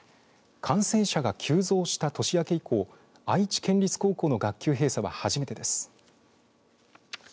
感染者が急増した年明け以降愛知県立高校の学級閉鎖は初めてです。